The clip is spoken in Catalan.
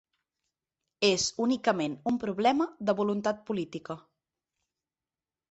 És únicament un problema de voluntat política.